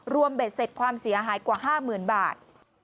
รวมเบ็ดเสร็จความเสียหายกว่าห้าหมื่นบาท